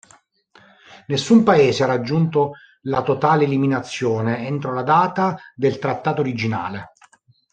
Nessun paese ha raggiunto la totale eliminazione entro la data del trattato originale.